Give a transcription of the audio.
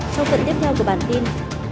trong phần tiếp theo của bản tin